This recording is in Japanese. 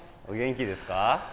お元気ですか？